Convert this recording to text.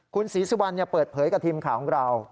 คุณศรีสุวรรณเปิดเผยกับทีมข่าวของเรา